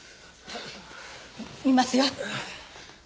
診ますよ。